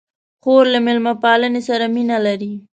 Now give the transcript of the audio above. خور له میلمه پالنې سره مینه لري.